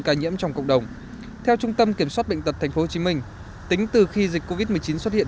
ca nhiễm trong cộng đồng theo trung tâm kiểm soát bệnh tật tp hcm tính từ khi dịch covid một mươi chín xuất hiện